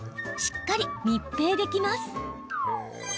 しっかり密閉できます。